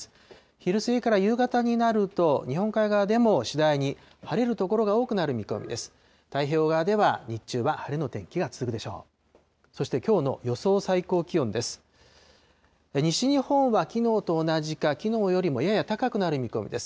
昼過ぎから夕方になると、日本海側でも次第に晴れる所が多くなる見込みです。